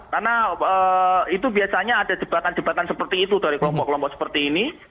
karena itu biasanya ada jebatan jebatan seperti itu dari kelompok kelompok seperti ini